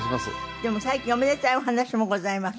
でも最近おめでたいお話もございます。